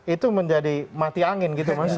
itu menjadi mati angin gitu maksud saya